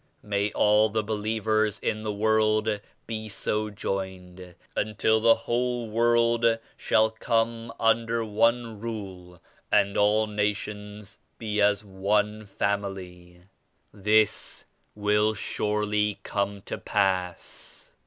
May all the believers in the world be so joined until the whole world shall come under one rule and all nations be as one family. This will surely come to pass."